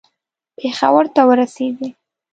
پېښور ته ورسېدی.